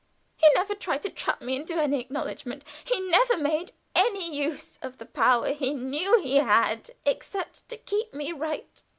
He never tried to trap me into any acknowledgment. He never made any use of the power he knew he had except to keep me right.